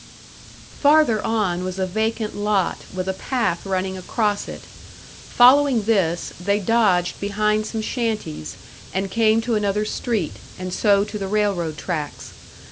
Farther on was a vacant lot with a path running across it. Following this, they dodged behind some shanties, and came to another street and so to the railroad tracks.